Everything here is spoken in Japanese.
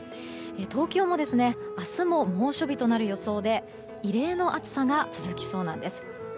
東京も明日も猛暑日となる予想で異例の暑さが続きそうなんです。